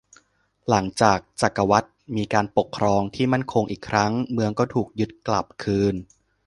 หลังจากจักรวรรดิมีการปกครองที่มั่นคงอีกครั้ง เมืองก็ถูกยึดกลับคืน